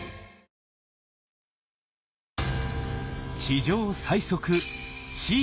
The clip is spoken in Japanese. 地上最速